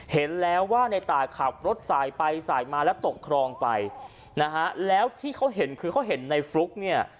เห็นแล้วว่าในตายขับรถสายไปสายมาแล้วตกครองไปนะฮะแล้วที่เขาเห็นคือเขาเห็นในฟลุ๊กเนี่ย